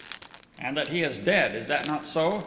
"And that he is dead! Is that not so?"